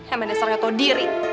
emang nasar gak tau diri